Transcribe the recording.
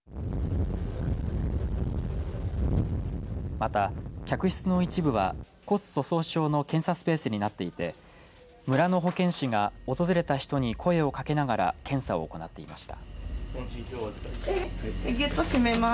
また、客室の一部は骨粗しょう症の検査スペースになっていて村の保健師が訪れた人に声をかけながら検査を行っていました。